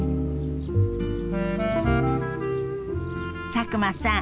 佐久間さん